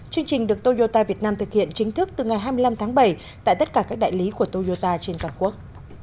chương trình được toyota việt nam thực hiện chính thức từ ngày hai mươi năm tháng bảy tại tất cả các đại lý của toyota trên toàn quốc